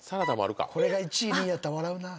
これが１位２位やったら笑うなぁ。